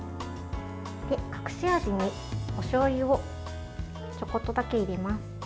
隠し味に、おしょうゆをちょこっとだけ入れます。